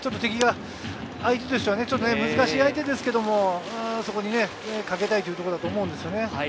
相手としては難しい相手ですけれど、そこにかけたいというところだと思います。